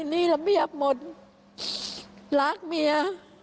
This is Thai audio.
นี่ระเบียบหมดรักเมีย